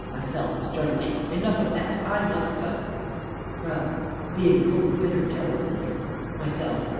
MYSELF (sternly). Enough of that I must go! PRO. Being full of bitter jealousy. MYSELF.